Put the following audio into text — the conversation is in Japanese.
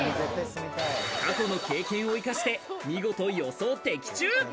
過去の経験を生かして見事、予想的中。